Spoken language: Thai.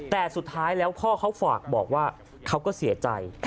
แต่สุดท้ายแล้วพ่อเขาฝากบอกว่าเขาก็เสียใจ